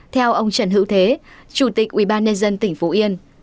theo ông trần hữu thế chủ tịch ủy ban nhân dân tỉnh phú yên